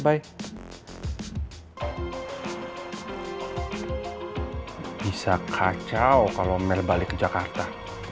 bisa kacau kalo mel balik ke jakarta